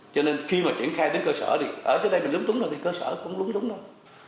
cho nên khi mà chuyển khai đến cơ sở thì ở đây mình lúng túng thôi thì cơ sở cũng lúng túng thôi